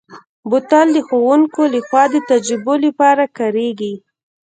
بوتل د ښوونکو لخوا د تجربو لپاره کارېږي.